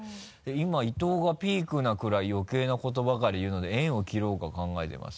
「今伊藤がピークなくらい余計なことばかり言うので縁を切ろうか考えています。